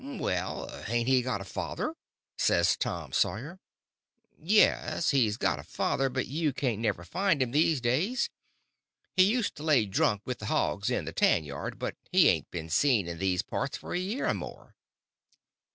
"Well, hain't he got a father?" says Tom Sawyer. "Yes, he's got a father, but you can't never find him these days. He used to lay drunk with the hogs in the tanyard, but he hain't been seen in these parts for a year or more."